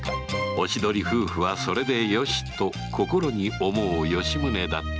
おしどり夫婦はそれでよしと心に思う吉宗だった